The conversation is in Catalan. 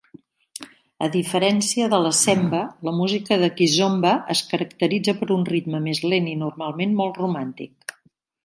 A diferència de la semba, la música de kizomba es caracteritza per un ritme més lent i normalment molt romàntic.